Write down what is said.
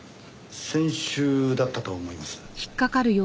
先週だったと思います。